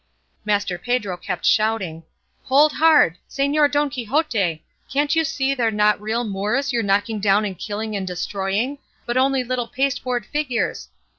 Master Pedro kept shouting, "Hold hard! Señor Don Quixote! can't you see they're not real Moors you're knocking down and killing and destroying, but only little pasteboard figures!